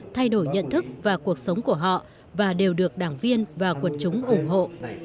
thay đổi nhận thức và cuộc sống của họ và đều được đảng viên và quần chúng ủng hộ